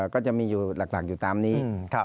ก็จะมีอยู่หลักอยู่ตามนี้